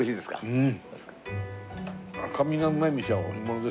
うん。